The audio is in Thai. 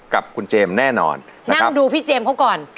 กับคุณเจมส์แน่นอนนั่งดูพี่เจมส์เขาก่อน